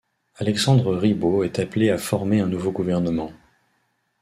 Alexandre Ribot est appelé à former un nouveau gouvernement.